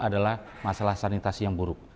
adalah masalah sanitasi yang buruk